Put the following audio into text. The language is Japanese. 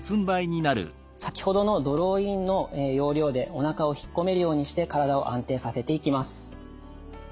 先ほどのドローインの要領でおなかをひっこめるようにして体を安定させていきます。